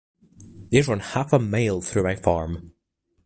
They run half a mile through my farm.